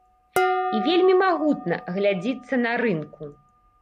І вельмі магутна глядзіцца на рынку.